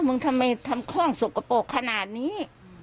มึงทำไมทำคล่องสกปรกขนาดนี้